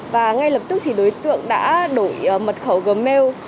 và ngay lập tức thì đối tượng đã đổi mật khẩu gmail